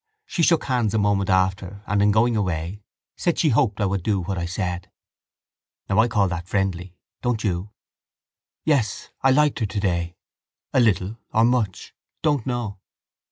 She shook hands a moment after and, in going away, said she hoped I would do what I said. Now I call that friendly, don't you? Yes, I liked her today. A little or much? Don't know.